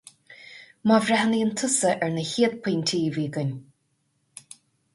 Má bhreathnaíonn tusa ar na chéad pointí a bhí againn.